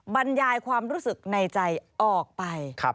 บรรยายความรู้สึกในใจออกไป